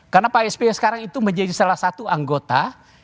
karena pak sby sekarang itu menjadi salah satu anggota